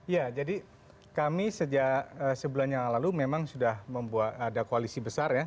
ya jadi kami sejak sebulan yang lalu memang sudah membuat ada koalisi besar ya